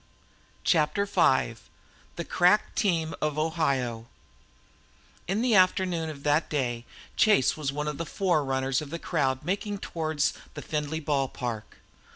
CHAPTER V THE CRACK TEAM OF OHIO In the afternoon of that day Chase was one of the forerunners of the crowd making towards the Findlay ballpark.